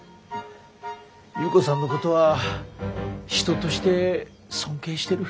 優子さんのことは人として尊敬してる。